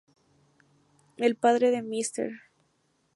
El padre de Mr.